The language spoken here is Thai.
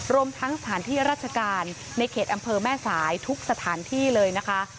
รวมทั้งสถานที่ราชการในเขตอำเภอแม่สายทุกสถานที่เลยนะคะ